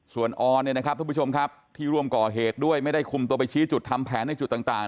ส่วนออนที่ร่วมก่อเหตุด้วยไม่ได้คุมตัวไปชี้จุดทำแผนในจุดต่าง